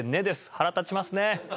腹立ちますね。